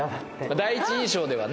第一印象ではね。